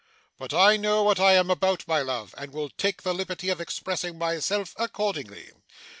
But I know what I am about, my love, and will take the liberty of expressing myself accordingly.